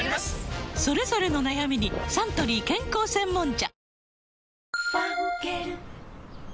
それぞれの悩みにサントリー健康専門茶女性）